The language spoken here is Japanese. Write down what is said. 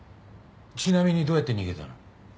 ちなみにどうやって逃げたの？